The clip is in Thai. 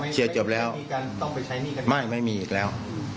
เชียร์จบแล้วไม่มีอีกแล้ว